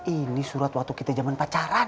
ini surat waktu kita zaman pacaran